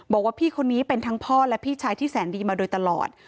บอกว่าพี่คนนี้เป็นทั้งพ่อและพี่ชายที่แสนดีมาโดยตลอด